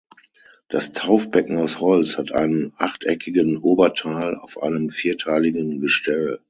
Das Taufbecken aus Holz hat einen achteckigen Oberteil auf einem vierteiligen Gestell.